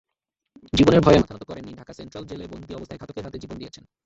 জীবনের ভয়ে মাথানত করেননি, ঢাকা সেন্ট্রাল জেলে বন্দী অবস্থায় ঘাতকের হাতে জীবন দিয়েছেন।